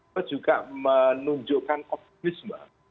buya juga menunjukkan komunisme